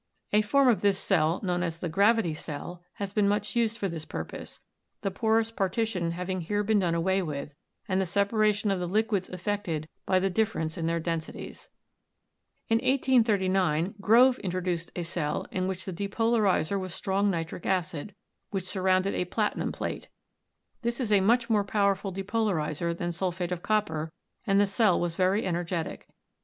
A form of this cell, known as the "gravity" cell, has been much used for this purpose, the porous partition having here been done away with, and the separation of the liquids effected by the difference in their densities. In 1839, Grove introduced a cell in which the depolar izer was strong nitric acid, which surrounded a platinum plate. This is a much more powerful depolarizer than sul phate of copper and the cell was very energetic.